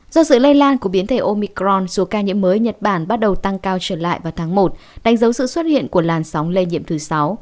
do sự lây lan của biến thể omicron số ca nhiễm mới nhật bản bắt đầu tăng cao trở lại vào tháng một đánh dấu sự xuất hiện của làn sóng lây nhiễm thứ sáu